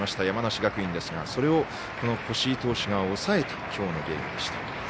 山梨学院ですがそれを越井投手が抑えた今日のゲームでした。